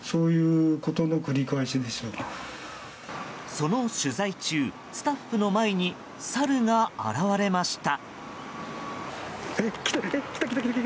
その取材中、スタッフの前にサルが現れました。